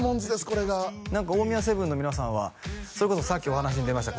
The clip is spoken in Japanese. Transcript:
これが何か大宮セブンの皆さんはそれこそさっきお話に出ました